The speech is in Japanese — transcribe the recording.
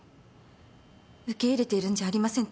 受け入れているんじゃありません。